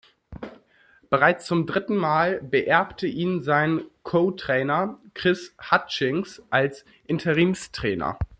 Bereits zum dritten Mal beerbte ihn sein Kotrainer Chris Hutchings als Interimstrainer.